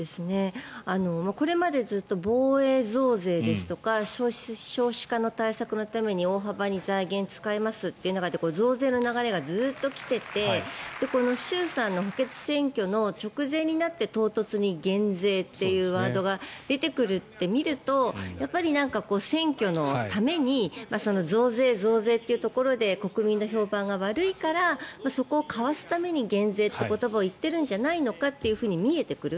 これまでずっと防衛増税ですとか少子化の対策のために大幅に財源を使いますというのがあって増税の流れがずっと来ていて衆参の補欠選挙の直前になって唐突に減税というワードが出てくるって見るとやっぱり選挙のために増税、増税っていうところで国民の評判が悪いからそこをかわすために減税という言葉を言ってるんじゃないのかと見えてくる。